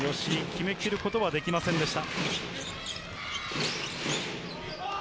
吉井、決めきることはできませんでした。